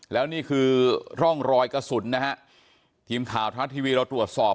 แล้วนี่คือร่องรอยกระสุนนะฮะทีมข่าวทรัฐทีวีเราตรวจสอบ